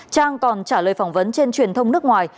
trang còn trả lời phỏng vấn trên truyền thông nước ngoài